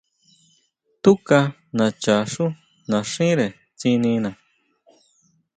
Túka nacha xú naxíre tsinina.